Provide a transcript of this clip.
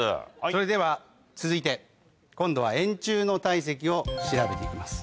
それでは続いて今度は円柱の体積を調べてみます。